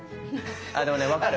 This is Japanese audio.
あでもね分かる！